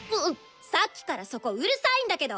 さっきからそこうるさいんだけど！